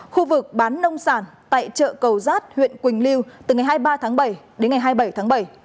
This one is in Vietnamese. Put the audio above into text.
khu vực bán nông sản tại chợ cầu giát huyện quỳnh lưu từ ngày hai mươi ba tháng bảy đến ngày hai mươi bảy tháng bảy